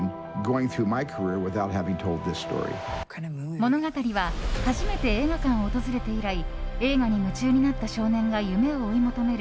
物語は初めて映画館を訪れて以来映画に夢中になった少年が夢を追い求める